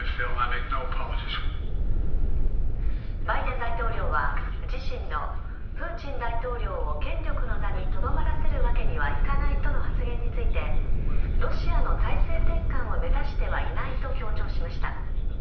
バイデン大統領は、自身のプーチン大統領を権力の座にとどまらせるわけにはいかないとの発言について、ロシアの体制転換を目指してはいないと強調しました。